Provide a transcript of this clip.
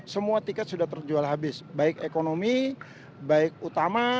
semua tiket sudah terjual habis baik ekonomi baik utama